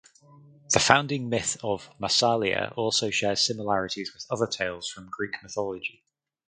The founding myth of Massalia also shares similarities with other tales from Greek mythology.